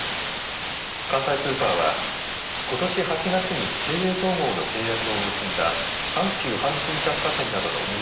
関西スーパーはことし８月に経営統合の契約を結んだ阪急阪神百貨店などの運営